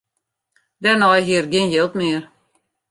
Dêrnei hie er gjin jild mear.